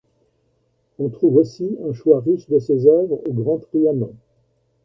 On trouve aussi un choix riche de ses œuvres au grand Trianon.